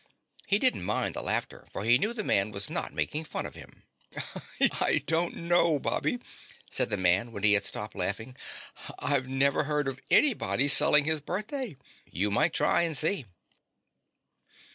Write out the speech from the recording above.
He didn't mind the laughter for he knew the man was not making fun of him. "I don't know, Bobby," said the man when he had stopped laughing. "I've never heard of anybody selling his birthday. You might try and see."